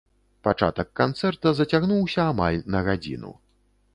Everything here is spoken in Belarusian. Пачатак канцэрта зацягнуўся амаль на гадзіну.